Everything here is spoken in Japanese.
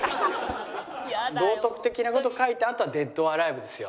道徳的な事を書いたあとはデッド・オア・アライブですよ。